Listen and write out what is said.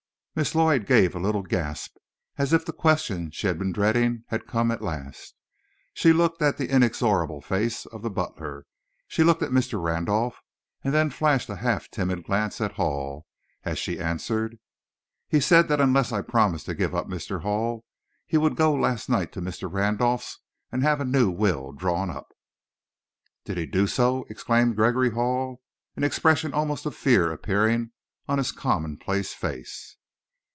Miss Lloyd gave a little gasp, as if the question she had been dreading had come at last. She looked at the inexorable face of the butler, she looked at Mr. Randolph, and then flashed a half timid glance at Hall, as she answered, "He said that unless I promised to give up Mr. Hall, he would go last night to Mr. Randolph's and have a new will drawn up." "Did he do so?" exclaimed Gregory Hall, an expression almost of fear appearing on his commonplace face.